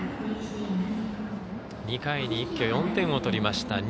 ２回に一挙４点を取りました。